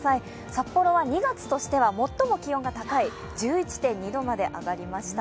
札幌は２月としては最も気温が高い１１．２度まで上がりました。